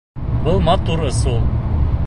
Был матур ысул!